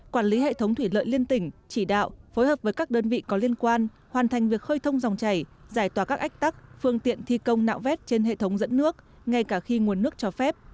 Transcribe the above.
quản lý hệ thống thủy lợi liên tỉnh chỉ đạo phối hợp với các đơn vị có liên quan hoàn thành việc khơi thông dòng chảy giải tỏa các ách tắc phương tiện thi công nạo vét trên hệ thống dẫn nước ngay cả khi nguồn nước cho phép